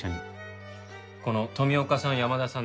この富岡さん山田さん